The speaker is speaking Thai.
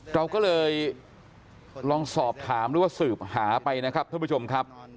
เราก็เลยลองสอบถามหรือว่าสืบหาไปนะครับท่านผู้ชมครับ